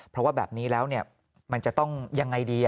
เพราะว่าแบบนี้แล้วมันจะต้องยังไงดี